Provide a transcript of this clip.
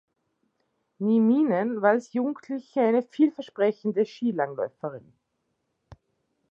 Nieminen war als Jugendliche eine vielversprechende Skilangläuferin.